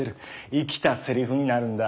生きたセリフになるんだ。